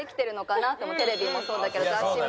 テレビもそうだけど雑誌も。